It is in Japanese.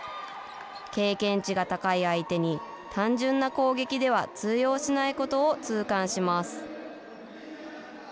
経験値が高い相手に、単純な攻撃では通用しないことを痛感します。